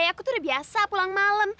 aku tuh udah biasa pulang malem